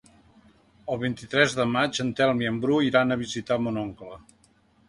El vint-i-tres de maig en Telm i en Bru iran a visitar mon oncle.